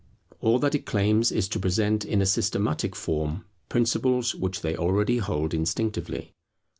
All that it claims is to present in a systematic form principles which they already hold instinctively.